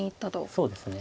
そうですね。